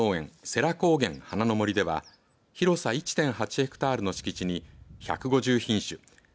世羅高原花の森では広さ１．８ヘクタールの敷地に１５０品種７２００